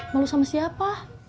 malu sama siapa